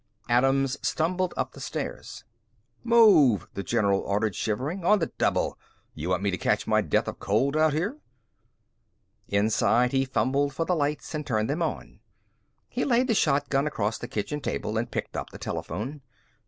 Adams stumbled up the stairs. "Move!" the general ordered, shivering. "On the double! You want me to catch my death of cold out here?" Inside, he fumbled for the lights and turned them on. He laid the shotgun across the kitchen table and picked up the telephone.